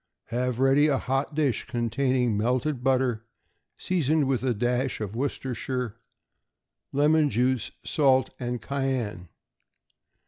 Have ready a hot dish containing melted butter seasoned with a dash of Worcestershire, lemon juice, salt and cayenne.